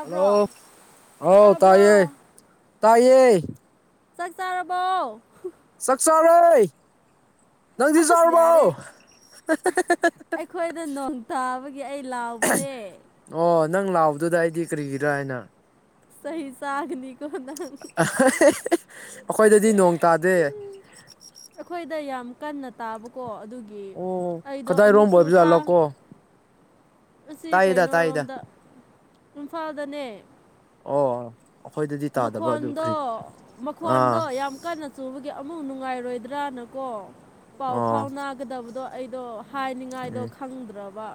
hello ꯍꯥꯎ ꯇꯥꯏꯌꯦ ꯇꯥꯕ꯭ꯔꯣ ꯇꯥꯏꯌꯦ ꯆꯥꯛ ꯆꯥꯔꯕꯣ ꯆꯥꯛꯆꯥꯥꯔꯣꯏ ꯅꯪꯗꯤ ꯑꯁ ꯆꯥꯔꯔꯕꯥꯎ ꯌꯥꯔꯦ ꯑꯩꯈꯣꯏꯗ ꯅꯣꯡ ꯇꯥꯕꯒꯤ ꯑꯩ ꯂꯥꯎꯕꯅꯦ ꯑꯣ ꯅꯪ ꯂꯥꯎꯕꯗꯨꯗ ꯑꯩꯗꯤ ꯀꯔꯤꯒꯤꯔ ꯍꯥꯏꯅ ꯆꯩ ꯆꯥꯒꯅꯤ ꯑꯍꯤꯍꯤ ꯑꯩꯈꯣꯏꯗꯗꯤ ꯅꯣꯡ ꯇꯥꯗꯦ ꯗ ꯌꯥꯝ ꯀꯟꯅ ꯇꯥꯕꯀꯣ ꯑꯗꯨ ꯑꯣ ꯀꯗꯥꯏꯔꯣꯝ ꯑꯣꯏꯕ ꯖꯥꯠꯂꯣ ꯀꯣ ꯑꯁꯤ ꯀꯩꯅꯩ ꯔꯣꯝꯗ ꯏꯝꯐꯥꯜꯗꯅꯦ ꯑꯣ ꯑꯩꯈꯣꯏꯗꯗꯤ ꯇꯥꯗꯕ ꯑꯗꯨ ꯃꯈꯣꯟꯗꯣ ꯀ꯭ꯔꯤ ꯑꯥ ꯃꯈꯣꯟꯗꯣ ꯌꯥꯝ ꯀꯟꯅ ꯆꯨꯕꯒꯤ ꯑꯃꯨ ꯅꯨꯡꯉꯥꯏꯔꯣꯏꯗ꯭ꯔꯥ ꯔꯥꯅꯀꯣ ꯄꯥꯎ ꯑꯣ ꯐꯥꯎ ꯅꯥꯒꯗꯕꯗꯣ ꯑꯩꯗꯣ ꯍꯥꯏꯅꯤꯡꯉꯥꯏꯗꯣ ꯎꯝ ꯈꯪꯗ꯭ꯔꯕ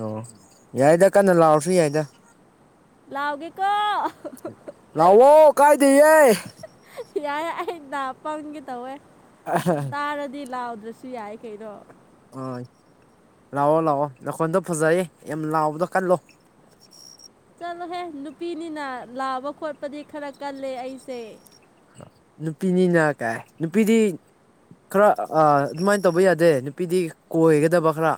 ꯑꯣ ꯌꯥꯏꯗ ꯀꯟꯅ ꯂꯥꯎꯔꯁꯨ ꯌꯥꯏꯗ ꯂꯥꯎꯒꯦꯀꯣ ꯂꯥꯎꯑꯣ ꯀꯥꯏꯗꯤꯌꯦ ꯌꯥꯏ ꯑꯩ ꯅꯥ ꯄꯪꯒꯦ ꯇꯧꯋꯦ ꯑ ꯇꯥꯔꯗꯤ ꯂꯥꯎꯗ꯭ꯔꯁꯨ ꯌꯥꯏ ꯀꯩꯅꯣ ꯑꯣꯏ ꯂꯥꯛꯑꯣ ꯂꯥꯛꯑꯣ ꯅꯈꯣꯟꯗꯣ ꯐꯖꯩꯌꯦ ꯌꯥꯝ ꯂꯥꯎꯕꯗꯣ ꯀꯜꯂꯨ ꯆꯠꯂꯣꯍꯦ ꯅꯨꯄꯤꯅꯤꯅ ꯂꯥꯎꯕ ꯈꯣꯠꯄꯗꯤ ꯈꯔ ꯀꯜꯂꯦ ꯑꯩꯁꯦ ꯅꯨꯄꯤꯅꯤꯅ ꯀꯥꯏ ꯅꯨꯄꯤꯗꯤ ꯈꯔ ꯑꯗꯨꯃꯥꯏꯅ ꯇꯧꯕ ꯌꯥꯗꯦ ꯅꯨꯄꯤꯗꯤ ꯀꯣꯏꯒꯗꯕ ꯈꯔ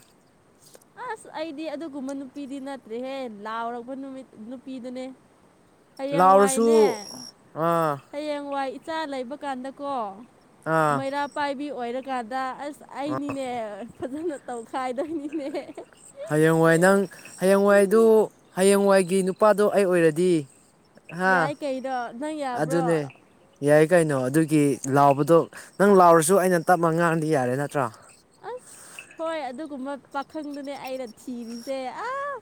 ꯗꯤ ꯑꯗꯨꯒꯨꯝꯕ ꯅꯨꯄꯤꯗꯤ ꯅꯠꯇ꯭ꯔꯦꯍꯦ ꯂꯥꯎꯔꯛꯄ ꯅꯨꯃꯤꯠ ꯅꯨꯄꯤꯗꯨꯅꯦ ꯂꯥꯎꯔꯁꯨ ꯍꯌꯦꯡꯋꯥꯏꯅꯦ ꯑꯥ ꯍꯌꯦꯡ ꯋꯥꯏ ꯏꯆꯥ ꯂꯩꯕ ꯀꯥꯟꯗꯀꯣ ꯑꯥ ꯃꯩꯔꯥ ꯄꯥꯏꯕꯤ ꯑꯣꯏꯔꯀꯥꯟꯗ ꯑꯁ ꯑꯩꯅꯤꯅꯦ ꯐꯖꯅ ꯇꯧꯈꯥꯏꯗꯣꯏꯅꯤ ꯍꯌꯦꯡꯋꯥꯏ ꯅꯪ ꯍꯌꯦꯡꯋꯥꯏꯗꯨ ꯍꯌꯦꯡꯋꯥꯏ ꯒꯤ ꯅꯨꯄꯥꯗꯨ ꯑꯩ ꯑꯣꯏꯔꯗꯤ ꯍꯥ ꯌꯥꯏ ꯀꯩꯩꯅꯣ ꯅꯪ ꯌꯥꯕ꯭ꯔꯣ ꯑꯗꯨꯅꯦ ꯌꯥꯏ ꯀꯩꯅꯣ ꯑꯗꯨꯒꯤ ꯂꯥꯎꯕꯗꯣ ꯅꯪ ꯂꯥꯎꯔꯁꯨ ꯑꯩꯅ ꯇꯞꯃ ꯉꯥꯡꯗꯤ ꯌꯥꯔꯦ ꯅꯠꯇ꯭ꯔꯣ ꯑꯁ ꯍꯣꯏ ꯑꯗꯨꯒꯨꯝꯕ ꯄꯥꯈꯪꯗꯨꯅꯦ ꯑꯩꯅ ꯊꯤꯔꯤꯁꯦ ꯑꯥ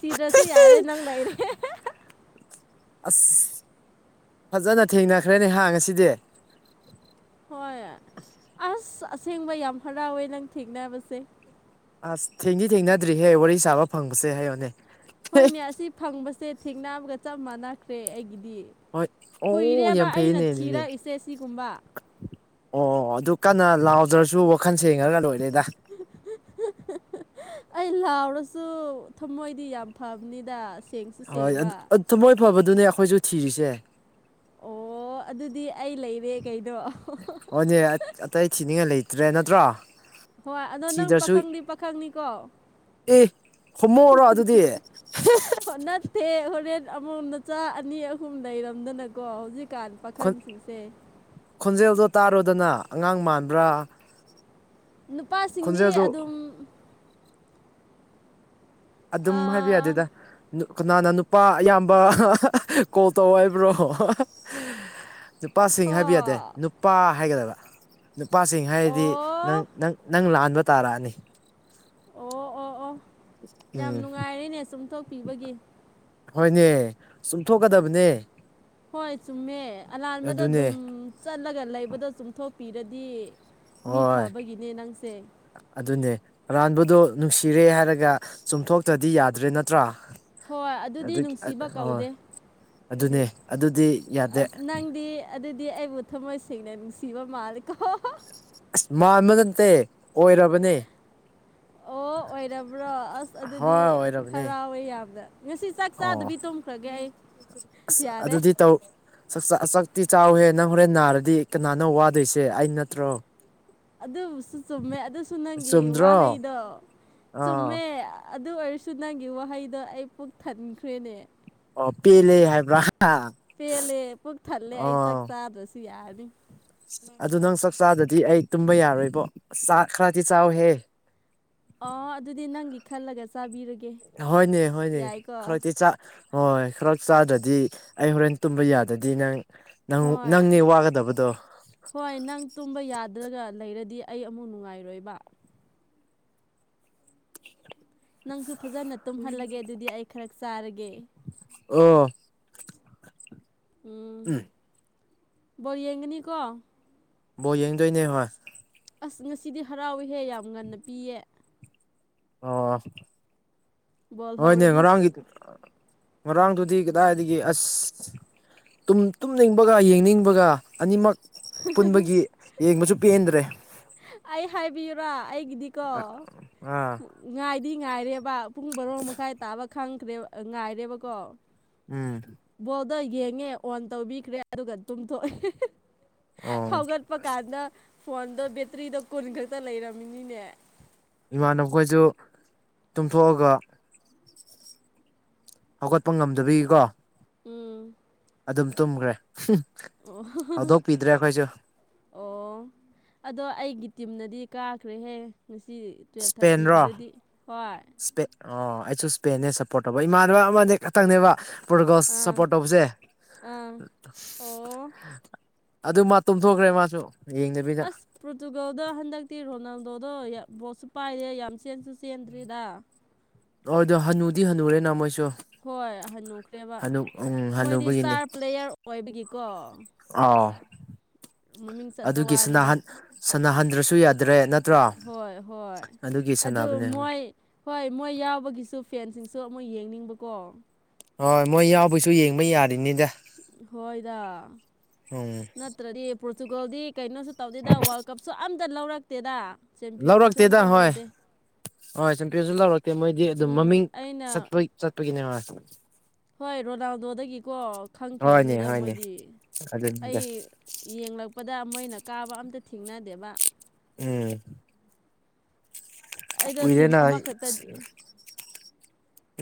ꯊꯤꯗꯔꯁꯨ ꯌꯥꯔꯦ ꯅꯪ ꯂꯩꯔꯦ ꯍꯥꯍꯥ ꯑꯁ ꯐꯖꯅ ꯊꯦꯡꯅꯈ꯭ꯔꯅꯦ ꯍꯥ ꯉꯁꯤꯗꯤ ꯍꯣꯏ ꯑꯁ ꯑꯁꯦꯡꯕ ꯌꯥꯝ ꯍꯔꯥꯎꯋꯦ ꯅꯪ ꯊꯦꯡꯅꯕꯁꯦ ꯑꯁ ꯊꯦꯡꯗꯤ ꯊꯦꯡꯅꯗ꯭ꯔꯤꯍꯦ ꯋꯥꯔꯤ ꯁꯥꯕ ꯐꯪꯕꯁꯦ ꯍꯥꯏꯕꯅꯦ ꯍꯣꯏꯅꯦ ꯑꯁꯤ ꯐꯪꯕꯁꯦ ꯊꯦꯡꯅꯕꯒ ꯆꯞ ꯃꯥꯟꯅꯈ꯭ꯔꯦ ꯑꯩꯒꯤꯗꯤ ꯍꯣꯏ ꯑꯣ ꯀꯨꯏꯔꯦꯕ ꯌꯥꯝ ꯑꯩꯅ ꯐꯩꯅꯦ ꯑꯗꯨꯗꯤ ꯊꯤꯔꯛꯏꯁꯦ ꯁꯤꯒꯨꯝꯕ ꯑꯣ ꯑꯗꯨ ꯀꯟꯅ ꯂꯥꯎꯖꯔꯁꯨ ꯋꯥꯈꯜ ꯁꯦꯡꯉꯒ ꯂꯣꯏ [unintelligible] ꯑꯩ ꯂꯥꯎꯔꯁꯨ ꯊꯝꯃꯣꯏꯗꯤ ꯌꯥꯝ ꯐꯕꯅꯤꯗ ꯁꯦꯡꯁꯨ ꯍꯣꯏ ꯁꯦꯡꯕ ꯑꯗꯨ ꯊꯃꯣꯏ ꯐꯕꯗꯨꯅꯦ ꯑꯩꯈꯣꯏꯁꯨ ꯊꯤꯔꯤꯁꯦ ꯑꯣ ꯑꯗꯨꯗꯤ ꯑꯩ ꯂꯩꯔꯦ ꯀꯩꯅꯣ ꯍꯣꯏꯅꯦ ꯑꯇꯩ ꯊꯤꯅꯤꯡꯉꯥꯏ ꯂꯩꯇ꯭ꯔꯦ ꯅꯠꯇ꯭ꯔꯣ ꯍꯣꯏ ꯑꯗꯣ ꯅꯪ ꯊꯤꯗ꯭ꯔꯁꯨ ꯄꯥꯈꯪꯗꯤ ꯄꯥꯈꯪꯅꯤꯀꯣ ꯑꯦ ꯍꯣꯃꯣꯔꯣ ꯑꯗꯨꯗꯤ ꯑꯃꯣꯝ ꯅꯆꯥ ꯑꯅꯤ ꯑꯍꯨꯝ ꯂꯩꯔꯝꯗꯅꯀꯣ ꯍꯧꯖꯤꯛ ꯈꯣꯟ ꯈꯣꯟꯖꯦꯜꯗꯣ ꯇꯥꯔꯣꯗꯅ ꯑꯉꯥꯡ ꯃꯥꯟꯕ꯭ꯔꯥ ꯅꯨꯄꯥꯁꯤꯡꯗꯤ ꯈꯣꯟꯖꯦꯜꯗꯣ ꯑꯗꯨꯝ ꯑꯗꯨꯝ ꯍꯥꯏꯕ ꯑꯥ ꯌꯥꯗꯦꯗ ꯅꯨ ꯀꯅꯥꯅ ꯅꯨꯄꯥ ꯑꯌꯥꯝꯕ ꯀꯣꯜ ꯇꯧ ꯍꯥꯏꯕ꯭ꯔꯣ ꯅꯨꯄꯥꯁꯤꯡ ꯍꯣ ꯍꯥꯏꯕ ꯌꯥꯗꯦ ꯅꯨꯄꯥ ꯍꯥꯏꯒꯗꯕ ꯅꯨꯄꯥꯁꯤꯡ ꯍꯥꯏꯔꯗꯤ ꯅꯪ ꯑꯣ ꯅꯪ ꯅꯪ ꯂꯥꯟꯕ ꯇꯥꯔꯛꯑꯅꯤ ꯑꯣ ꯑꯣ ꯑꯣ ꯌꯥꯝ ꯎꯝ ꯅꯨꯡꯉꯥꯏꯔꯦꯅꯦ ꯆꯨꯝꯊꯣꯛꯄꯤꯕꯒꯤ ꯍꯣꯏꯅꯦ ꯆꯨꯝꯊꯣꯛꯀꯗꯕꯅꯦ ꯍꯣꯏ ꯆꯨꯝꯃꯦ ꯑꯔꯥꯟꯕꯗ ꯑꯗꯨꯅꯦ ꯑꯗꯨꯝ ꯆꯠꯂꯒ ꯂꯩꯕꯗꯣ ꯆꯨꯝꯊꯣꯛꯄꯤꯔꯗꯤ ꯃꯤ ꯍꯣꯏ ꯐꯕꯒꯤꯅꯦ ꯅꯪꯁꯦ ꯑꯗꯨꯅꯦ ꯑꯔꯥꯟꯕꯗꯣ ꯅꯨꯡꯁꯤꯔꯦ ꯍꯥꯏꯔꯒ ꯆꯨꯝꯊꯣꯛꯇ꯭ꯔꯗꯤ ꯌꯥꯗ꯭ꯔꯦ ꯅꯠꯇ꯭ꯔꯥ ꯍꯣꯏ ꯑꯗꯨꯗꯤ ꯑꯗꯨ ꯅꯨꯡꯁꯤꯕ ꯍꯣꯏ ꯀꯧꯗꯦ ꯑꯗꯨꯗꯤ ꯑꯗꯨꯅꯦ ꯑꯗꯨꯗꯤ ꯌꯥꯗꯦ ꯑꯁ ꯅꯪꯗꯤ ꯑꯗꯨꯗꯤ ꯑꯩꯕꯨ ꯊꯝꯃꯣꯏꯁꯤ ꯁꯦꯡꯅ ꯅꯨꯡꯁꯤꯕ ꯃꯥꯂꯦꯀꯣ ꯑꯁ ꯃꯥꯟꯕ ꯅꯠꯇꯦ ꯑꯣꯏꯔꯕꯅꯦ ꯑꯣ ꯑꯣꯏꯔꯕ꯭ꯔꯣ ꯑꯁ ꯑꯗꯨꯗꯤ ꯍꯣꯏ ꯑꯣꯏꯔꯕꯅꯦ ꯍꯔꯥꯎꯋꯦ ꯌꯥꯝꯅ ꯉꯁꯤ ꯆꯥꯛ ꯑꯣ ꯆꯥꯗꯕꯤ ꯇꯨꯝꯈ꯭ꯔꯒꯦ ꯑꯩ ꯑꯁ ꯌꯥꯔꯦ ꯑꯗꯨꯗꯤ ꯇꯧ ꯆꯥ ꯆꯛꯇꯤ ꯆꯥꯎꯍꯦ ꯅꯪ ꯍꯣꯔꯦꯟ ꯅꯥꯔꯗꯤ ꯀꯅꯥꯅꯣ ꯋꯥꯗꯣꯏꯁꯦ ꯑꯩ ꯅꯠꯇ꯭ꯔꯣ ꯑꯗꯨꯕꯨꯁꯨ ꯆꯨꯝꯃꯦ ꯑꯗꯨꯁꯨ ꯅꯪꯒꯤ ꯆꯨꯝꯗ꯭ꯔꯣ ꯋꯥꯍꯩꯗꯣ ꯑꯥ ꯆꯨꯝꯃꯦ ꯑꯗꯨ ꯑꯣꯏꯔꯁꯨ ꯅꯪꯒꯤ ꯋꯥꯍꯩꯗꯣ ꯑꯩ ꯄꯨꯛ ꯊꯟꯈ꯭ꯔꯦꯅꯦ ꯑꯣ ꯄꯦꯜꯂꯤ ꯍꯥꯏꯕ꯭ꯔꯥ ꯄꯦꯜꯂꯦ ꯄꯨꯛ ꯊꯜꯂꯦ ꯑꯩ ꯆꯥꯛ ꯑꯣ ꯆꯥꯗ꯭ꯔꯁꯨ ꯌꯥꯔꯅꯤ ꯑꯗꯨ ꯅꯪ ꯆꯥꯛꯆꯥꯗꯗꯤ ꯑꯩ ꯇꯨꯝꯕ ꯌꯥꯔꯣꯏꯕꯣ ꯆꯥꯛ ꯈꯔꯗꯤ ꯆꯥꯎꯍꯦ ꯑꯣ ꯑꯗꯨꯗꯤ ꯅꯪꯒꯤ ꯈꯜꯂꯒ ꯆꯥꯕꯤꯔꯒꯦ ꯍꯣꯏꯅꯦ ꯍꯣꯏꯅꯦ ꯌꯥꯏꯀꯣ ꯈꯔꯗꯤ ꯆꯥꯛ ꯍꯣꯏ ꯈꯔ ꯆꯥꯗ꯭ꯔꯗꯤ ꯑꯩ ꯍꯣꯔꯦꯟ ꯇꯨꯝꯕ ꯌꯥꯗ꯭ꯔꯗꯤ ꯅꯪ ꯅꯪ ꯍꯣꯏ ꯅꯪꯅꯦ ꯋꯥꯒꯗꯕꯗꯣ ꯍꯣꯏ ꯅꯪ ꯇꯨꯝꯕ ꯌꯥꯗ꯭ꯔꯒ ꯂꯩꯔꯗꯤ ꯑꯩ ꯑꯃꯨꯛ ꯅꯨꯡꯉꯥꯏꯔꯣꯏꯕ ꯅꯪꯁꯨ ꯐꯖꯅ ꯇꯨꯝꯍꯜꯂꯒꯦ ꯑꯗꯨꯗꯤ ꯑꯩ ꯈꯔ ꯆꯥꯔꯒꯦ ꯑꯣ ꯎꯝ ꯕꯣꯜ ꯌꯦꯡꯒꯅꯤꯀꯣ ꯕꯣꯜ ꯌꯦꯡꯗꯣꯏꯅꯦ ꯍꯣꯏ ꯑꯁ ꯉꯁꯤꯗꯤ ꯍꯔꯥꯎꯋꯤꯍꯦ ꯌꯥꯝ ꯉꯟꯅ ꯄꯤꯌꯦ ꯑꯣ ꯕꯣꯜ ꯍꯣꯏꯅꯦ ꯍꯧꯔꯗꯤ ꯉꯔꯥꯡꯒꯤ ꯉꯔꯥꯡꯗꯨꯗꯤ ꯀꯗꯥꯏꯗꯒꯤ ꯑꯁ ꯇꯨꯝ ꯇꯨꯝꯅꯤꯡꯕꯒ ꯌꯦꯡꯅꯤꯡꯕꯒ ꯑꯅꯤꯃꯛ ꯄꯨꯟꯕꯒꯤ ꯌꯦꯡꯕꯁꯨ ꯄꯦꯟꯗ꯭ꯔꯦ ꯑꯩ ꯍꯥꯏꯕꯤꯌꯨꯔ ꯑꯩꯒꯤꯗꯤꯀꯣ ꯑꯥ ꯉꯥꯏ ꯗꯤ ꯉꯥꯏꯔꯦꯕ ꯄꯨꯡ ꯕꯔꯣ ꯃꯈꯥꯏ ꯇꯥꯕ ꯈꯪꯈ꯭ꯔꯦ ꯉꯥꯏꯔꯦꯕꯀꯣ ꯑꯥ ꯑꯗ ꯌꯦꯡꯉꯦ ꯑꯣꯟ ꯇꯧꯕꯤꯈ꯭ꯔꯦ ꯑꯗꯨꯒ ꯇꯨꯝꯊꯣꯛꯑꯦ ꯑꯣ ꯍꯧꯒꯠꯄ ꯀꯥꯟꯗ ꯐꯣꯟꯗꯣ ꯕꯦꯇ꯭ꯔꯤꯗꯣ ꯀꯨꯟ ꯈꯛꯇ ꯂꯩꯔꯝꯃꯤꯅꯤꯅꯦ ꯏꯃꯥꯟꯅꯕ ꯈꯣꯏꯁꯨ ꯇꯨꯝꯊꯣꯛꯑꯒ ꯍꯧꯒꯠꯄ ꯉꯝꯗꯕꯒꯤꯀꯣ ꯎꯝ ꯑꯗꯨꯝ ꯇꯨꯝꯈ꯭ꯔꯦ ꯑꯣ ꯍꯥꯍꯥ ꯍꯧꯗꯣꯛꯄꯤꯗ꯭ꯔꯦ ꯑꯩꯈꯣꯏꯁꯨ ꯑꯣ ꯑꯗꯣ ꯑꯩꯒꯤ ꯇꯤꯝꯅꯗꯤ ꯀꯥꯈ꯭ꯔꯦꯍꯦ ꯉꯁꯤ ꯇꯨꯌꯦꯜꯞ ꯏꯁꯄꯦꯟꯔꯣ ꯊꯥꯔꯇꯤꯒꯤꯗꯨꯗꯤ ꯍꯣꯏ ꯏꯁꯄꯦꯟ ꯑꯣ ꯑꯩꯁꯨ ꯁꯄꯦꯟꯅꯦ ꯁꯞꯄꯣꯔꯠ ꯇꯧꯕ ꯏꯃꯥꯟꯅꯕ ꯑꯃꯅꯦ ꯈꯛꯇꯪꯅꯦꯕ ꯄꯣꯔꯒꯣꯜ ꯑꯥ ꯁꯞꯄꯣꯔꯠ ꯇꯧꯕꯁꯦ ꯑꯥ ꯑꯣ ꯑꯗꯨ ꯃꯥ ꯇꯨꯝꯊꯣꯛꯈ꯭ꯔꯦ ꯃꯁꯨ ꯑꯁ ꯄꯣꯔꯇꯨꯒꯜꯗꯣ ꯍꯟꯗꯛꯇꯤ ꯔꯣꯅꯜꯗꯣꯗꯣ ꯕꯣꯜꯁꯨ ꯄꯥꯏꯔꯦ ꯌꯥꯝ ꯆꯦꯟꯁꯨ ꯆꯦꯟꯗ꯭ꯔꯦꯗ ꯍꯣꯏ ꯗꯣ ꯍꯅꯨꯗꯤ ꯍꯅꯨꯔꯦꯅ ꯃꯣꯏꯁꯨ ꯍꯣꯏ ꯍꯟꯅꯨꯈ꯭ꯔꯦꯕ ꯍꯅꯨ ꯎꯝ ꯃꯣꯏꯗꯤ ꯍꯅꯨꯕꯒꯤꯅꯤ ꯏꯁꯇꯥꯔ ꯄ꯭ꯂꯦꯌꯔ ꯑꯣꯏꯕꯒꯤꯀꯣ ꯑꯥꯎ ꯃꯃꯤꯡ ꯆꯠꯄ ꯑꯗꯨꯒꯤ ꯋꯥꯅꯤꯗ ꯁꯅꯥꯍꯟ ꯁꯅꯥꯍꯟꯗ꯭ꯔꯁꯨ ꯌꯥꯗ꯭ꯔꯦ ꯅꯠ ꯍꯣꯏ ꯍꯣꯏ ꯑꯗꯨ ꯃꯣꯏ ꯍꯣꯏ ꯃꯣꯏ ꯌꯥꯎꯕꯒꯤꯁꯨ ꯐꯦꯟꯁꯤꯡꯁ ꯑꯗꯣ ꯑꯃꯨꯛ ꯌꯦꯡꯅꯤꯡꯕꯀꯣ ꯍꯣꯏ ꯃꯣꯏ ꯌꯥꯎꯕꯩꯁꯨ ꯌꯦꯡꯕ ꯌꯥꯔꯤꯅꯤꯗ ꯍꯣꯏꯗ ꯎꯝ ꯅꯠꯇ꯭ꯔꯗꯤ ꯄꯣꯔꯇꯨꯒꯜꯗꯤ ꯀꯩꯅꯣꯁꯨ ꯇꯧꯗꯦꯗ ꯋꯥꯔꯜ ꯀꯞꯁꯨ ꯑꯝꯇ ꯂꯧꯔꯛꯇꯦꯗ ꯆꯦꯝꯄꯤꯌꯟꯁꯨ ꯂꯧꯔꯛꯇꯦꯗ ꯑꯝꯇ ꯍꯣꯏ ꯂꯧꯗꯦ ꯍꯣꯏ ꯆꯦꯝꯄꯤꯌꯟꯁꯨ ꯂꯥꯎꯔꯛꯇꯦ ꯃꯣꯏꯗꯤ ꯑꯗꯨꯝ ꯎꯝ ꯃꯃꯤꯡ ꯑꯩꯅ ꯆꯠꯄ ꯆꯠꯄꯒꯤꯅꯦ ꯍꯣꯏ ꯍꯣꯏ ꯔꯣꯅꯜꯗꯣꯗꯒꯤꯀꯣ ꯍꯣꯏꯅꯦ ꯈꯪꯈꯤꯕꯅꯤꯗ ꯍꯣꯏꯅꯦ ꯃꯣꯏꯗꯤ ꯑꯗꯨꯅꯤꯗ ꯑꯩ ꯌꯦꯡꯂꯛꯄꯗ ꯃꯣꯏꯅ ꯀꯥꯕ ꯑꯝꯇ ꯊꯦꯡꯅꯗꯦꯕ ꯎꯝ ꯑꯩꯗꯣ ꯇꯤꯝ ꯀꯨꯏꯔꯦꯅ ꯑꯃꯈꯛꯇꯗꯤ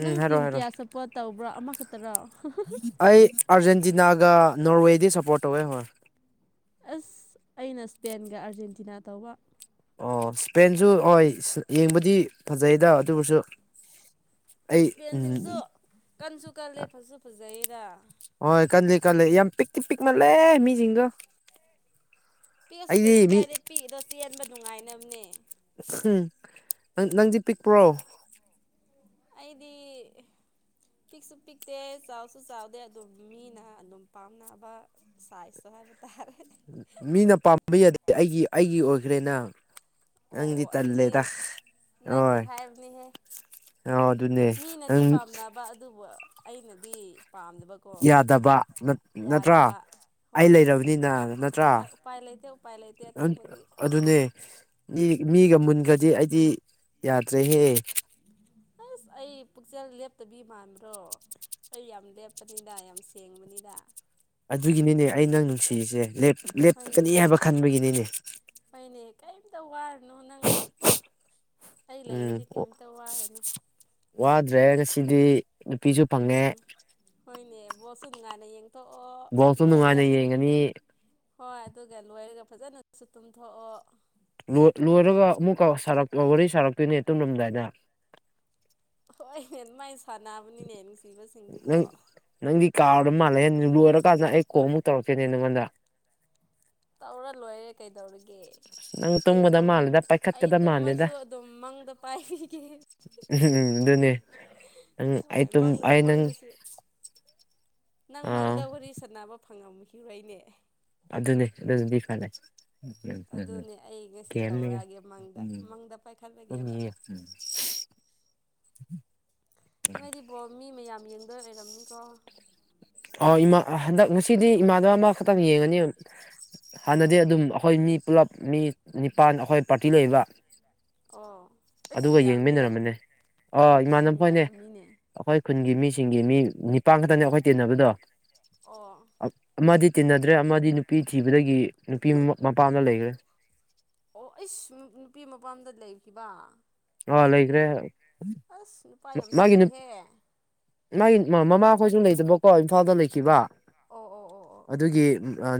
ꯎꯝ ꯍꯥꯏꯔꯣ ꯇꯤꯝ ꯍꯥꯏꯔꯣ ꯀꯌꯥ ꯁꯞꯄꯣꯔꯠ ꯇꯧꯕ꯭ꯔ ꯑꯃꯈꯛꯇꯔꯣ ꯑꯩ ꯑꯥꯔꯖꯦꯟꯇꯤꯅꯒ ꯅꯣꯔꯋꯦꯗꯤ ꯁꯞꯄꯣꯔꯠ ꯇꯧꯋꯦ ꯍꯣꯏ ꯑꯁ ꯑꯩꯅ ꯏꯁꯄꯦꯟꯒ ꯑꯥꯔꯖꯦꯟꯇꯤꯅ ꯇꯧꯕ ꯑꯣ ꯏꯁꯄꯦꯟꯖꯨ ꯍꯣꯏ ꯌꯦꯡꯕꯗꯤ ꯐꯖꯩꯗ ꯑꯗꯨꯕꯨꯁꯨ ꯏꯁꯄꯦꯟꯁꯤꯡꯁꯨ ꯀꯟꯁꯨ ꯀꯜꯂꯦ ꯐꯁꯨ ꯐꯖꯩꯌꯦꯗ ꯍꯣꯏ ꯀꯜꯂꯤ ꯀꯜꯂꯤ ꯌꯥꯝ ꯄꯤꯛꯇꯤ ꯄꯤꯛ ꯃꯥꯜꯂꯦ ꯃꯤꯁꯤꯡꯗꯣ ꯄꯤꯛꯑꯁꯨ ꯀꯩꯁꯨ ꯑꯩꯗꯤ ꯃꯤ ꯀꯥꯏꯗꯦ ꯄꯤꯛꯏꯗꯣ ꯆꯦꯟꯕ ꯅꯨꯡꯉꯥꯏꯅꯕꯅꯦ ꯅꯪ ꯅꯪꯗꯤ ꯄꯤꯛꯄ꯭ꯔꯣ ꯑꯩꯗꯤ ꯄꯤꯛꯁꯨ ꯄꯤꯛꯇꯦ ꯆꯥꯎꯁꯨ ꯆꯥꯎꯗꯦ ꯑꯗꯨꯝ ꯃꯤꯅ ꯑꯗꯨꯝ ꯄꯥꯝꯅꯕ ꯁꯥꯏꯇꯣ ꯍꯥꯏꯕ ꯇꯥꯔꯦ ꯃꯤꯅ ꯄꯥꯝꯕ ꯌꯥꯗꯦ ꯑꯩꯒꯤ ꯑꯩꯒꯤ ꯑꯣꯏꯈ꯭ꯔꯦꯅ ꯑꯣ ꯅꯪꯗꯤ ꯑꯣ ꯑꯗꯨꯗꯤ ꯇꯜꯂꯦꯗ ꯅꯪꯒꯤ ꯍꯣꯏ ꯍꯥꯏꯕꯅꯤꯍꯦ ꯑ ꯑꯗꯨꯅꯦ ꯃꯤꯅꯗꯤ ꯅꯪ ꯄꯥꯝꯅꯕ ꯑꯗꯨꯕꯨ ꯑꯩꯅꯗꯤ ꯄꯥꯝꯗꯕꯀꯣ ꯌꯥꯗꯕ ꯅꯠꯇ꯭ꯔꯥ ꯌꯥꯗꯕ ꯑꯩ ꯍꯣꯏ ꯂꯩꯔꯕꯅꯤꯅ ꯅꯠꯇ꯭ꯔꯥ ꯍꯣꯏ ꯎꯄꯥꯏ ꯂꯩꯇꯦ ꯎꯄꯥꯏ ꯂꯩꯇꯦ ꯑꯟ ꯑꯇꯣꯞꯄꯗꯤ ꯑꯗꯨꯅꯦ ꯏ ꯃꯤꯒ ꯃꯨꯟꯒ꯭ꯔꯗꯤ ꯑꯩꯗꯤ ꯌꯥꯗ꯭ꯔꯦꯍꯦ ꯑꯁ ꯑꯩ ꯄꯨꯛꯆꯦꯜ ꯂꯦꯞꯇꯕꯤ ꯃꯥꯟꯕ꯭ꯔꯣ ꯑꯩ ꯌꯥꯝ ꯂꯦꯞꯄꯅꯤꯗ ꯌꯥꯝ ꯁꯦꯡꯕꯅꯤꯗ ꯑꯗꯨꯒꯤꯅꯤꯅꯦ ꯑꯩ ꯅꯪ ꯀꯩ ꯅꯨꯡꯁꯤꯁꯦ ꯂꯦꯞ ꯍꯣꯏꯅꯦ ꯂꯦꯞꯀꯅꯤ ꯍꯥꯏꯕ ꯈꯟꯕꯒꯤꯅꯤꯅꯦ ꯍꯣꯏꯅꯦ ꯀꯔꯤꯝꯇ ꯋꯥꯔꯅꯣ ꯅꯪ ꯑꯩ ꯎꯝ ꯂꯩꯔꯗꯤ ꯀꯔꯤꯝꯇ ꯋꯥꯔꯅꯨ ꯋꯥꯗ꯭ꯔꯦ ꯉꯁꯤꯗꯤ ꯅꯨꯄꯤꯁꯨꯨ ꯄꯪꯉꯦ ꯎꯝ ꯍꯣꯏꯅꯦ ꯕꯣꯜꯁꯨ ꯅꯨꯡꯉꯥꯏꯅ ꯌꯦꯡꯊꯣꯛꯑꯣ ꯕꯣꯜꯁꯨ ꯂꯣꯏꯔꯒ ꯅꯨꯡꯉꯥꯏꯅ ꯌꯦꯡꯉꯅꯤ ꯍꯣꯏ ꯑꯗꯨꯒ ꯂꯣꯏꯔꯒ ꯐꯖꯅꯁꯨ ꯇꯨꯝꯊꯣꯛꯑꯣ ꯂꯣꯏꯔꯒ ꯑꯃꯨꯛꯀ ꯋꯥꯔꯤ ꯁꯥꯔꯛꯇꯣꯏꯅꯦ ꯇꯨꯝꯔꯝꯗꯥꯏꯗ ꯍꯣꯏꯅꯦ ꯃꯥꯏ ꯁꯥꯟꯅꯕꯅꯤꯅꯦ ꯅꯨꯡꯁꯤꯕꯁꯤꯡꯗꯤꯀꯣ ꯅꯪ ꯅꯪꯗꯤ ꯀꯥꯎꯔ ꯃꯥꯜꯂꯦ ꯂꯣꯏꯔꯀꯥꯟꯗ ꯑꯩ ꯀꯣꯜꯃꯨꯛ ꯇꯧꯔꯛꯀꯦꯅꯦ ꯅꯪꯉꯣꯟꯗ ꯇꯧꯔ ꯂꯣꯏꯔꯦ ꯀꯩꯗꯧꯔꯤ ꯒꯦ ꯅꯪ ꯑꯩ ꯇꯨꯝꯒꯗ ꯑꯗꯨꯝ ꯃꯥꯜꯂꯦꯗ ꯑꯩ ꯄꯥꯏꯈꯠꯀꯗ ꯃꯥꯜꯂꯦꯗ ꯇꯨꯝꯃꯁꯨ ꯑꯗꯨꯝ ꯃꯪꯗ ꯄꯥꯏꯕꯤꯒꯦ ꯎꯝ ꯑꯗꯨꯅꯦ ꯅꯪ ꯑꯩ ꯍꯣꯏ ꯇ ꯃꯪ ꯑꯩ ꯅꯪ ꯃꯪꯗꯁꯨ ꯅꯪ ꯑꯥ ꯃꯪꯗ ꯋꯥꯔꯤ ꯁꯥꯟꯅꯕ ꯐꯪꯉꯝꯈꯤꯔꯣꯏꯅꯦ ꯑꯗꯨꯅꯦ ꯑꯗꯨ ꯗꯨꯒꯤ ꯐꯅꯦ ꯑꯗꯨꯅꯦ ꯑꯩ ꯉꯁꯤ ꯀꯦꯂꯒ ꯇꯧꯔꯛꯑꯒꯦ ꯃꯪꯗ ꯃꯪꯗ ꯄꯥꯏꯈꯠꯂꯒꯦꯕ [unintelligible] [unintelligible] ꯅꯣꯏꯗꯤꯕꯣꯜ ꯃꯤ ꯃꯌꯥꯝ ꯌꯦꯡꯗꯣꯏ ꯑꯣꯏꯔꯝꯅꯤꯀꯣ ꯑꯣ ꯏꯃꯥ ꯍꯟꯗꯛ ꯉꯁꯤꯗꯤ ꯏꯃꯥꯗ ꯑꯃꯈꯛꯇꯪ ꯌꯦꯡꯉꯅꯤ ꯍꯥꯟꯅꯗꯤ ꯑꯗꯨꯝ ꯑꯩꯈꯣꯏ ꯃꯤ ꯄꯨꯂꯞ ꯃꯤ ꯅꯤꯄꯥꯟ ꯑꯩꯈꯣꯏ ꯄꯥꯔꯇꯤ ꯂꯩꯕ ꯑꯣ ꯑꯗꯨꯒ ꯑꯁ ꯌꯥꯝꯍꯦ ꯌꯦꯡꯃꯤꯟꯅꯔꯝꯃꯅꯦ ꯑ ꯏꯁ ꯏꯃꯥꯟꯅꯕ ꯈꯣꯏꯅꯦ ꯅꯨꯡꯉꯥꯏꯔꯝꯅꯤꯅꯦ ꯑꯩꯈꯣꯏ ꯈꯨꯟꯒꯤ ꯃꯤꯁꯤꯡꯒꯤ ꯃꯤ ꯅꯤꯄꯥꯟ ꯈꯛꯇꯅꯤ ꯑꯩꯈꯣꯏ ꯇꯤꯟꯅꯕꯗꯣ ꯑꯣ ꯑꯃꯗꯤ ꯇꯤꯟꯅꯗ꯭ꯔꯦ ꯑꯃꯗꯤ ꯅꯨꯄꯤ ꯊꯤꯕꯗꯒꯤ ꯅꯨꯄꯤ ꯃꯄꯥꯝꯗ ꯂꯩꯈ꯭ꯔꯦ ꯑꯣ ꯏꯁ ꯅꯨꯄꯤ ꯃꯄꯥꯝꯗ ꯂꯩꯈꯤꯕ ꯑ ꯂꯩꯈ꯭ꯔꯦ ꯑꯁ ꯅꯨꯄꯥ ꯌꯥꯝ ꯃꯥꯒꯤ ꯊꯣꯛꯇꯤꯍꯦ ꯃꯥꯒꯤ ꯃꯃꯥꯈꯣꯏꯁꯨ ꯂꯩꯇꯕꯀꯣ ꯏꯝꯐꯥꯜꯗ ꯂꯩꯈꯤꯕ ꯑꯣ ꯑꯣ ꯑꯣ ꯑꯣ ꯑꯣ ꯑꯗꯨꯒꯤ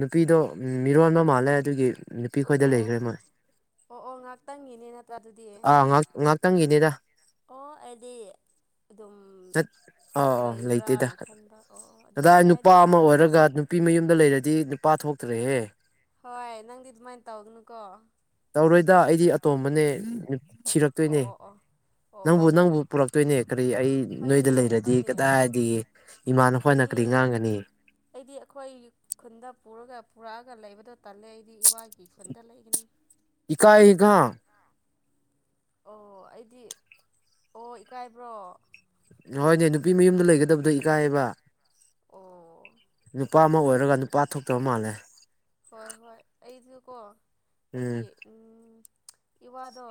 ꯅꯨꯄꯤꯗꯣ ꯃꯤꯔꯣꯟꯕ ꯃꯥꯜꯂꯦ ꯑꯗꯨꯒꯤ ꯅꯨꯄꯤꯈꯣꯏꯗ ꯑꯣ ꯑꯣ ꯂꯩꯈ꯭ꯔꯦ ꯑꯣ ꯃꯣꯏ ꯑꯣ ꯉꯥꯏꯍꯥꯛꯇꯪꯒꯤꯅꯦ ꯅꯠꯇ꯭ꯔꯥ ꯑꯗꯨꯗꯤ ꯑꯥ ꯉꯥꯡ ꯑꯣ ꯑꯗꯨꯗꯤ ꯑꯗꯨꯝ ꯑꯥ ꯑꯥ ꯂꯩꯇꯦꯗ ꯂꯩꯕ꯭ꯔꯥꯅ ꯈꯟꯕ ꯑꯣ ꯑꯗꯨꯗꯤ ꯀꯗꯥꯏ ꯅꯨꯄꯥ ꯌꯥꯏꯗ ꯑꯃ ꯑꯣꯏꯔꯒ ꯅꯨꯄꯤ ꯃꯌꯨꯝꯗ ꯂꯩꯔꯗꯤ ꯅꯨꯄꯥ ꯊꯣꯛꯇ꯭ꯔꯦꯍꯦ ꯍꯣꯏ ꯅꯪꯗꯤ ꯑꯗꯨꯃꯥꯏꯅ ꯇꯧꯒꯅꯨꯀꯣ ꯇꯧꯔꯣꯏꯗ ꯑꯩꯗꯤ ꯑꯇꯣꯝꯕꯅꯦ ꯑꯣ ꯊꯤꯔꯛꯇꯣꯏꯅꯦ ꯑꯣ ꯑꯣ ꯑꯣ ꯅꯪꯕꯨ ꯑꯣ ꯅꯪꯕꯨ ꯄꯨꯔꯛꯇꯣꯏꯅꯦ ꯀꯔꯤ ꯑꯩ ꯅꯣꯏꯗ ꯍꯣꯏꯅꯦ ꯂꯩꯔꯗꯤ ꯍꯣꯏꯅꯦ ꯀꯗꯥꯏꯗꯤ ꯏꯃꯥꯟꯅ ꯍꯣꯏꯅ ꯑꯩꯗꯤ ꯀꯔꯤ ꯉꯥꯡꯒꯅꯤ ꯑꯩꯗꯤ ꯑꯩꯈꯣꯏ ꯈꯨꯟꯗ ꯄꯨꯔꯒ ꯄꯨꯔꯛꯑꯒ ꯂꯩꯕꯗꯣ ꯇꯂꯦ ꯑꯩꯗꯤ ꯏꯋꯥꯒꯤ ꯈꯨꯟꯗ ꯂꯩꯒꯅꯤ ꯏꯀꯥꯏꯒ ꯑꯣ ꯑꯩꯗꯤ ꯑꯣ ꯏꯀꯥꯏꯕ꯭ꯔꯣ ꯍꯣꯏꯅꯦ ꯅꯨꯄꯤ ꯃꯌꯨꯝꯗ ꯂꯩꯒꯗꯕꯗꯣ ꯏꯀꯥꯏꯌꯦꯕ ꯑꯣ ꯅꯨꯄꯥ ꯑꯃ ꯑꯗꯨꯒꯤ ꯑꯣꯏꯔꯒ ꯅꯨꯄꯥ ꯊꯣꯛꯇꯕ ꯃꯥꯜꯂꯦ ꯍꯣꯏ ꯍꯣꯏ ꯑꯩꯁꯨꯀꯣ ꯎꯝ ꯑꯩꯒꯤ ꯏ ꯋꯥꯗꯣ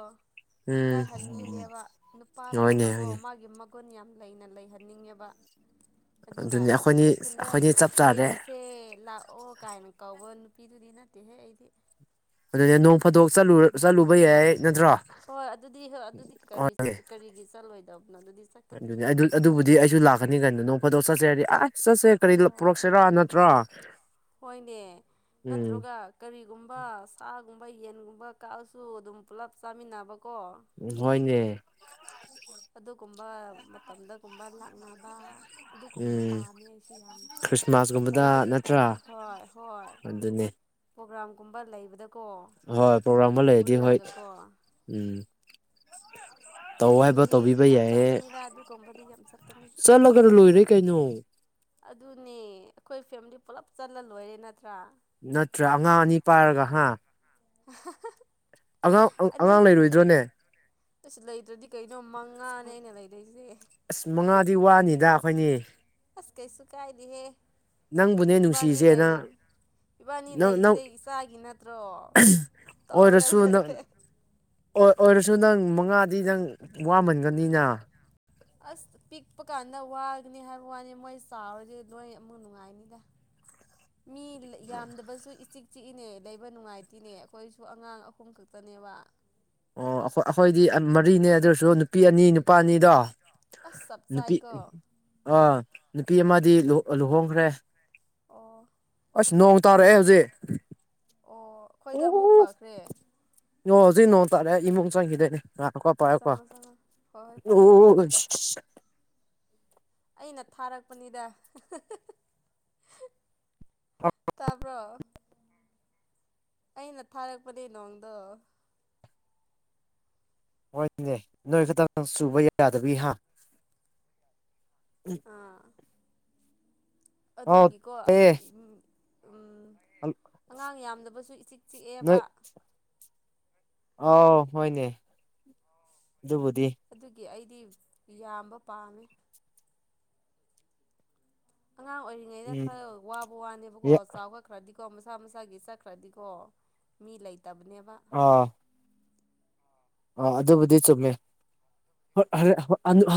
ꯎꯝ ꯏꯀꯥꯏꯍꯟꯅꯤꯡꯗꯦꯕ ꯅꯨꯄꯥ ꯍꯣꯏꯅꯦ ꯊꯣꯡꯅꯀꯣ ꯍꯣꯏꯅꯦ ꯃꯥꯒꯤ ꯒꯨꯟ ꯌꯥꯝ ꯂꯩꯅ ꯂꯩꯍꯟꯅꯤꯡꯉꯦꯕ ꯑꯗꯨꯅ ꯑꯗꯨꯅꯤ ꯑꯁ ꯑꯩꯈꯣꯏꯅꯤ ꯑꯩꯈꯣꯏ ꯈꯨꯟꯗ ꯑꯩꯈꯣꯏꯅꯤ ꯆꯞ ꯆꯥꯔꯦ ꯂꯩꯔꯨꯁꯦ ꯂꯥꯛꯑꯣ ꯀꯥꯏꯅ ꯀꯧꯕ ꯅꯨꯄꯤꯗꯨꯗꯤ ꯅꯠꯇꯦꯍꯦ ꯑꯩꯗꯤ ꯑꯗꯨ ꯅꯣ ꯐꯣꯗꯣꯛ ꯆꯠꯂꯨꯕ ꯌꯥꯏ ꯅꯠꯇ꯭ꯔꯣ ꯍꯣꯏ ꯑꯗꯨꯗꯤ ꯍꯣꯏ ꯑꯗꯨꯗꯤ ꯀꯔꯤ ꯍꯣꯏꯅꯦ ꯀꯔꯤꯒꯤ ꯆꯠꯂꯣꯏꯗꯕꯅꯣ ꯑꯗꯨꯗꯤ ꯆꯠꯀꯅꯤꯍꯦ ꯑꯗꯨꯕꯨꯗꯤ ꯑꯩꯁꯨ ꯂꯥꯛꯀꯅꯤ ꯀꯩꯅꯣ ꯅꯣꯡ ꯐꯥꯗꯣꯛ ꯆꯠꯁꯤ ꯍꯥꯏꯕꯗꯤ ꯑꯥꯏ ꯆꯠꯁꯦ ꯀꯔꯤ ꯍꯣꯏ ꯄꯨꯔꯛꯁꯤꯔꯥ ꯅꯠꯇ꯭ꯔꯥ ꯍꯣꯏꯅꯦ ꯅꯠꯇ꯭ꯔꯒ ꯀꯔꯤꯒꯨꯝꯕ ꯁꯥ ꯌꯦꯟꯒꯨꯝꯕ ꯀꯛꯑꯁꯨ ꯑꯗꯨꯝ ꯄꯨꯂꯞ ꯆꯥꯃꯤꯟꯅꯕ ꯎꯝ ꯍꯣꯏꯅꯦ ꯑꯗꯨꯒꯨꯝꯕ ꯃꯇꯝꯗꯒꯨꯝꯕ ꯂꯥꯛꯅꯕ ꯑꯗꯨꯒꯨꯝꯕ ꯎꯝ ꯄꯥꯝꯃꯦ ꯑꯩꯁꯨ ꯌꯥꯝꯅ ꯈ꯭ꯔꯤꯁꯃꯥꯁꯀꯨꯝꯕꯗ ꯂꯩꯕꯗꯤ ꯅꯠꯇ꯭ꯔꯥ ꯇꯜꯂꯦ ꯍꯣꯏ ꯍꯣꯏ ꯑꯗꯨꯅꯦ ꯄ꯭ꯔꯣꯒ꯭ꯔꯥꯝꯒꯨꯝꯕ ꯂꯩꯕꯗ ꯍꯣꯏ ꯄ꯭ꯔꯣꯒ꯭ꯔꯥꯝ ꯑꯃ ꯂꯩꯔꯗꯤ ꯍꯣꯏ ꯎꯝ ꯇꯧ ꯑꯗꯨꯗꯤ ꯌꯥꯝ ꯆꯠꯀꯅꯤꯗ ꯑꯗꯨꯒꯨꯝꯕꯗꯤ ꯌꯥꯝ ꯆꯠꯀꯅꯤ ꯆꯠꯂꯒꯅ ꯂꯣꯏꯔꯦ ꯀꯩꯅꯣ ꯑꯗꯨꯅꯦ ꯑꯩꯈꯣꯏ ꯐꯦꯃꯤꯂꯤ ꯄꯨꯜꯂꯞ ꯆꯠꯂ ꯂꯣꯏꯔꯦ ꯅꯠꯇ꯭ꯔꯥ ꯅꯠꯇ꯭ꯔꯥ ꯑꯉꯥꯡ ꯑꯅꯤ ꯄꯥꯏꯔꯒ ꯍꯥ [unintelligible] ꯑꯉꯥꯡ ꯑꯉꯥꯡ ꯂꯩꯔꯣꯏꯗ꯭ꯔꯣꯅꯦ ꯏꯁ ꯂꯩꯇ꯭ꯔꯗꯤ ꯀꯩꯅꯣ ꯃꯉꯥꯅꯦ ꯑꯩꯅ ꯂꯩꯗꯣꯏꯁꯦ ꯑꯁ ꯃꯉꯥꯗꯤ ꯋꯥꯅꯤꯗ ꯑꯩꯈꯣꯏꯅꯤ ꯑꯁ ꯀꯩꯁꯨ ꯀꯥꯏꯗ ꯍꯦ ꯅꯪꯕꯨꯅꯦ ꯅꯨꯡꯁꯤꯁꯦꯅ ꯏꯕꯥꯟꯅꯤ ꯂꯩꯔꯤꯁꯦ ꯏꯆꯥꯒꯤ ꯅꯠꯇ꯭ꯔꯣ ꯇꯧꯔꯒ ꯂꯣꯏꯔꯦ ꯑꯣ ꯑꯣꯏꯔꯁꯨ ꯅꯪ ꯃꯉꯥꯗꯤ ꯅꯪ ꯋꯥꯃꯟꯒꯅꯤꯅ ꯑꯁ ꯄꯤꯛꯄ ꯀꯥꯟꯗ ꯋꯥꯒꯅꯤ ꯍꯥꯏꯕ ꯋꯥꯅꯤ ꯃꯣꯏ ꯆꯥꯎꯔꯗꯤ ꯂꯣꯏ ꯑꯃꯨꯛ ꯅꯨꯡꯉꯥꯏꯅꯤꯗ ꯃꯤ ꯌꯥꯝꯗꯕꯁꯨ ꯏꯆꯤꯛ ꯆꯤꯛꯏꯅꯦ ꯂꯩꯕ ꯅꯨꯡꯉꯥꯏꯇꯦꯅꯦ ꯑꯩꯈꯣꯏꯁꯨ ꯑꯉꯥꯡ ꯑꯍꯨꯝ ꯈꯛꯇ ꯅꯦꯕ ꯑꯣ ꯑꯩꯈꯣꯏ ꯑꯩꯈꯣꯏꯗꯤ ꯃꯔꯤꯅꯦ ꯑꯗꯨ ꯑꯣꯏꯔꯁꯨ ꯅꯨꯄꯤ ꯑꯅꯤ ꯅꯨꯄꯥꯅꯤꯗꯣ ꯑꯁ ꯆꯞ ꯅꯨꯄꯤ ꯆꯥꯏꯀꯣ ꯑꯥ ꯅꯨꯄꯤ ꯑꯃꯗꯤ ꯂꯨꯍꯣꯡꯈ꯭ꯔꯦ ꯑꯣ ꯑꯁ ꯅꯣꯡ ꯇꯥꯔꯛꯑꯦ ꯍꯧꯖꯤꯛ ꯑꯣ ꯑꯩꯈꯣꯏꯗ ꯑꯃꯨꯛ ꯑꯣ ꯐꯈ꯭ꯔꯦ ꯑꯣ ꯍꯧꯖꯤꯛ ꯅꯣꯡ ꯇꯥꯔꯦ ꯏꯃꯨꯡ ꯆꯪꯈꯤꯗꯣꯏꯅꯦ ꯆꯪꯉꯣ ꯆꯪꯉꯣ ꯍꯣꯏ ꯍꯣꯏ ꯄꯥꯏꯒꯦ ꯄꯥꯏꯒꯦ [unintelligible] ꯑꯩꯅ ꯊꯥꯔꯛꯄꯅꯤꯗ [unintelligible] ꯑꯣ ꯇꯥꯕ꯭ꯔꯣ ꯑꯩꯅ ꯊꯥꯔꯛꯄꯅꯤ ꯅꯣꯡꯗꯣ ꯍꯣꯏꯅꯦ ꯅꯣꯏ ꯈꯛꯇꯪ ꯆꯨꯕ ꯌꯥꯗꯕꯤ ꯍꯥ ꯎꯝ ꯑꯥ ꯑꯗꯨꯒꯤꯀꯣ ꯑꯁ ꯎꯝ ꯑꯉꯥꯡ ꯌꯥꯝꯗꯕꯁꯨ ꯏꯆꯤꯛ ꯆꯤꯛꯑꯦꯕ ꯅꯣꯏ ꯑꯥꯎ ꯍꯣꯏꯅꯦ ꯑꯗꯨꯕꯨꯗꯤ ꯑꯗꯨꯒꯤ ꯑꯩꯗꯤ ꯌꯥꯝꯕ ꯄꯥꯝꯃꯤ ꯑꯉꯥꯡ ꯑꯣꯏꯔꯤꯉꯩꯗ ꯎꯝ ꯈꯔ ꯋꯥꯕ ꯋꯥꯅꯦꯕꯀꯣ ꯆꯥꯎꯕ ꯈꯔꯗꯤ ꯀꯣ ꯃꯁꯥ ꯃꯁꯥꯒꯤ ꯆꯠꯈ꯭ꯔꯗꯤꯀꯣ ꯃꯤ ꯂꯩꯇꯕꯅꯦꯕ ꯍꯣꯏ ꯑꯗꯨꯕꯨꯗꯤ ꯆꯨꯝꯃꯦ [unintelligible]